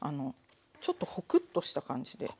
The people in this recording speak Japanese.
ちょっとホクッとした感じで。